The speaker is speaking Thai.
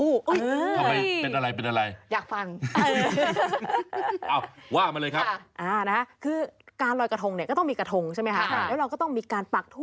อุ๊ยว่าลอยกระทงไงให้ได้คู่